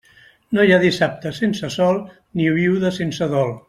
No hi ha dissabte sense sol, ni viuda sense dol.